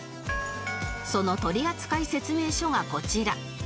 その取り扱い説明書がこちら